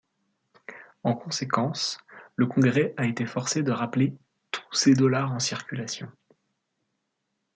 En conséquence, le Congrès a été forcé de rappeler tous ces dollars en circulation.